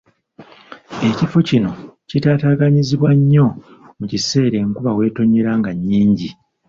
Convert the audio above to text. Ekifo kino kitaataaganyizibwa nnyo mu kiseera enkuba weetonnyera nga nnyingi.